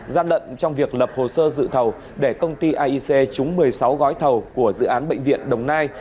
gian lận trong việc lập hồ sơ dự thầu để công ty aic trúng một mươi sáu gói thầu của dự án bệnh viện đồng nai